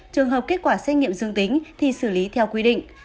trường hợp kết quả xét nghiệm dương tính thì xử lý theo quy định